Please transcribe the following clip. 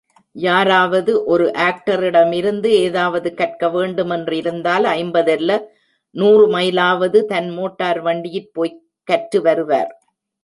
யாராவது ஒரு ஆக்டரிடமிருந்து ஏதாவது கற்கவேண்டுமென்றிருந்தால் ஐம்பதல்ல, நூறு மைலாவது, தன் மோட்டார் வண்டியிற் போய்க் கற்று வருவார்.